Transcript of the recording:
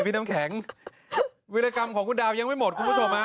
มันดำดินและก็โคมก่อนมาอีก